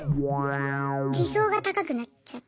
理想が高くなっちゃって。